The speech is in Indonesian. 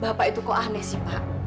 bapak itu kok aneh sih pak